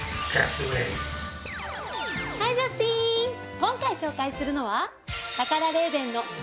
今回紹介するのは。